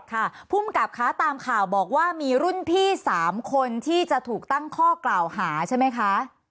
ภูมิกับคะตามข่าวบอกว่ามีรุ่นพี่๓คนที่จะถูกตั้งข้อกล่าวหาใช่ไหมคะ